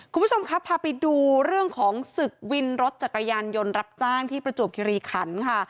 คุณผู้ชมครับพาไปดูเรื่องของศึกวินรถจักรยานยนต์รับจ้างที่ประจวบคิริขันค่ะ